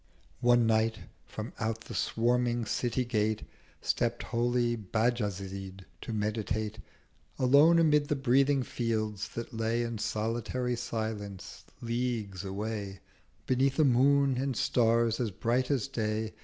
One Night from out the swarming City Gate Stept holy Bajazyd, to meditate Alone amid the breathing Fields that lay In solitary Silence leagues away, Beneath a Moon and Stars as bright as Day.